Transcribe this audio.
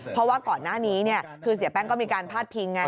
เพราะว่าก่อนหน้านี้คือเสียแป้งก็มีการพาดพิงไง